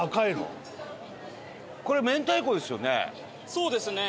そうですね。